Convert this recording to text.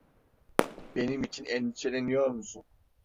Benim için endişeleniyor musun?